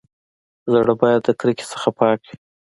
زړه بايد د کرکي څخه پاک وي.